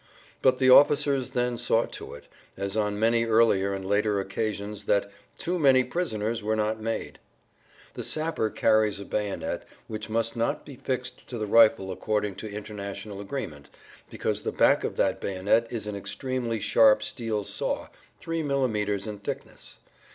But the officers then saw to it, as on many earlier and later occasions, that "too many prisoners were not made." The sapper[Pg 66] carries a bayonet which must not be fixed to the rifle according to international agreement, because the back of that bayonet is an extremely sharp steel saw, three millimeters in thickness.